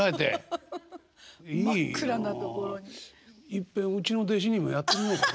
いっぺんうちの弟子にもやってみようかな。